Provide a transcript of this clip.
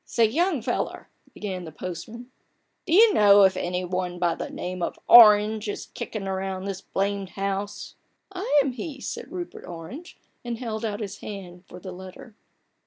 " Say, young feller !" began the postman, " do you know if any one by the name of Orange is kickin' around this blamed house ?'" I am he," said Rupert Grange, and held out his hand for the letter.